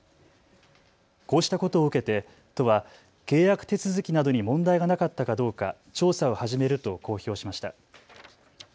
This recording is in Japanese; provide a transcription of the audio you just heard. こうしたことを受けて都は契約手続きなどに問題がなかったかどうか調査を始めると公表しました。